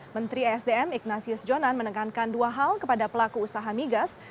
menteri esdm ignatius jonan menekankan dua hal kepada pelaku usaha migas